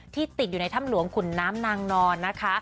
ติดอยู่ในถ้ำหลวงขุนน้ำนางนอนนะคะ